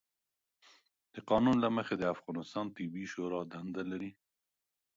قانون له مخې، د افغانستان طبي شورا دنده لري،